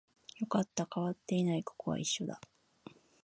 よかった、変わっていない、ここは一緒だ